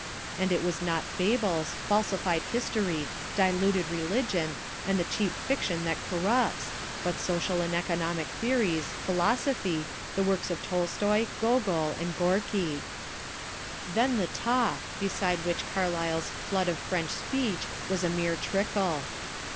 And it was not fables, falsified history, diluted religion, and the cheap fiction that corrupts—but social and economic theories, philosophy, the works of Tolstoy, Gogol, and Gorky…. See Notes and Explanations. Then the Talk, beside which Carlyle's "flood of French speech" was a mere trickle.